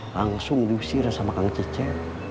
langsung diusir sama kang cice